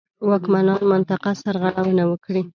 واکمنان منطقه سرغړونه وکړي.